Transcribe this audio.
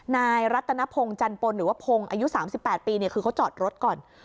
นายรัฐนภงจันปลหรือว่าภงอายุ๓๘ปีเนี่ยคือเขาจอดรถก่อน